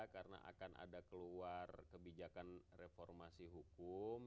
karena akan ada keluar kebijakan reformasi hukum